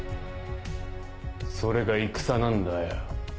それが戦なんだよ。